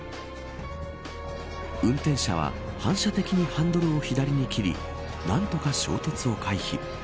運転者は反射的にハンドルを左に切り何とか衝突を回避。